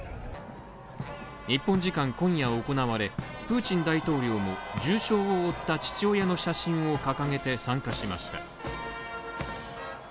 日本時間今夜行われ、プーチン大統領も重傷を負った父親の写真を掲げて参加しました。